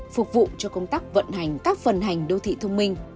phục vụ cho công tác vận hành các phần hành đô thị thông minh